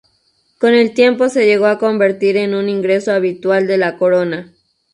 Con el tiempo se llegó a convertir en un ingreso habitual de la Corona.